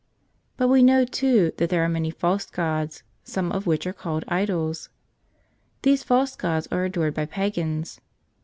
But we know, too, that there are many false gods, some of which are called idols. These false gods are adored by pagans.